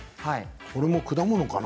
これも果物かな。